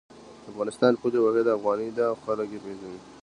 د افغانستان پولي واحد افغانۍ ده او خلک یی پیژني